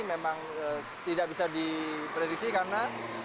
memang tidak bisa diprediksi karena